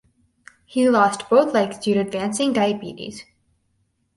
He lost both legs due to advancing diabetes.